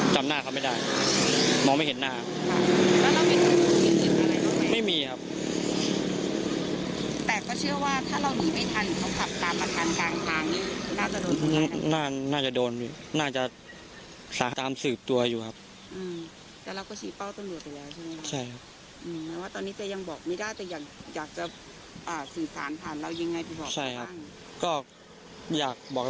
ใช่มีครับ